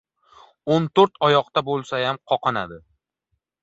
• Ot to‘rt oyoqda bo‘lsayam qoqinadi.